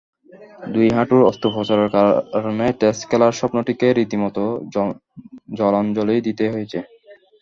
দুই হাঁটুর অস্ত্রোপচারের কারণে টেস্ট খেলার স্বপ্নটাকে রীতিমতো জলাঞ্জলিই দিতে হয়েছে।